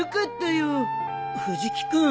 藤木君。